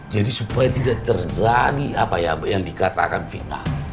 jadi supaya tidak terjadi apa ya yang dikatakan fitnah